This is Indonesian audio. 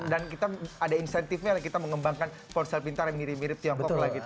dan kita ada insentifnya kita mengembangkan ponsel pintar yang mirip mirip tiongkok lagi tuh